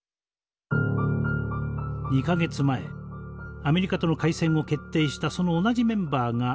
２か月前アメリカとの開戦を決定したその同じメンバーが集まりました。